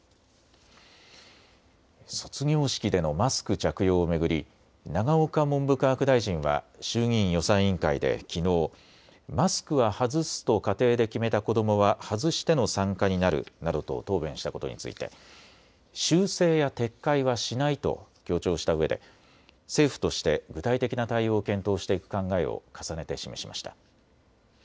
卒業式でのマスク着用を巡り永岡文部科学大臣は衆議院予算委員会できのうマスクは外すと家庭で決めた子どもは外しての参加になるなどと答弁したことについて修正や撤回はしないと強調したうえで政府として具体的な対応を検討していく考えを重ねて示しました。